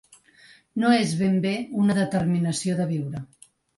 No és ben bé una ‘determinació’ de viure.